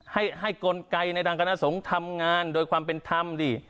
ให้กลกรายในดังกรรณสงฆ์ทำงานโดยความเป็นธรรมสิ